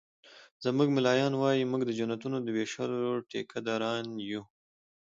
زموږ ملایان وایي مونږ د جنتونو د ویشلو ټيکه داران یو